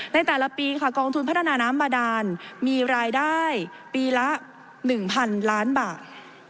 ในแต่ละปีค่ะกองทุนพัฒนาน้ำบาดานมีรายได้ปีละ๑๐๐๐ล้านบาท